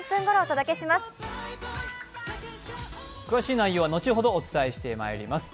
詳しい内容は後ほどお伝えしてまいります。